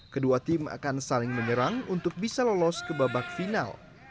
kedua tim akan saling menyerang untuk bisa lolos ke babak final